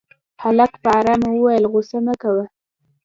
هلک په آرامه وويل غوسه مه کوه.